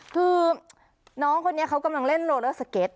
คือน้องคนนี้เขากำลังเล่นโลเลอร์สเก็ต